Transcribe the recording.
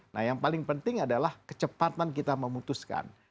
nah yang paling penting adalah kecepatan kita memutuskan